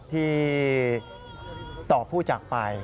ที่ต่อผู้จากไป